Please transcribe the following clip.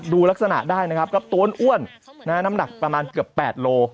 ดูลักษณะได้นะครับกับตัวนอ้วนน้ำหนักประมาณเกือบ๘โล